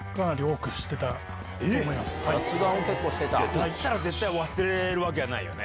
だったら絶対忘れるわけはないよね。